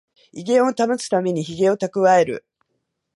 威厳を保つためにヒゲをたくわえる